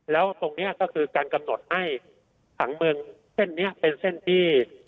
แล้วตรงนี้ก็คือการกำหนดให้ผังเมืองเส้นนี้เป็นเส้นที่